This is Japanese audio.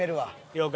了解。